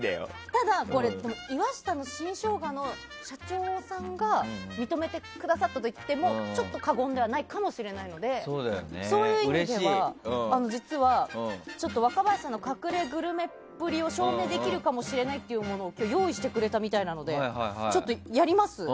ただ岩下の新生姜の社長さんが認めてくださったといっても過言ではないかもしれないのでそういう意味では実は若林さんの隠れグルメっぷりを証明できるかもしれないものを用意してくれたのでちょっとやります？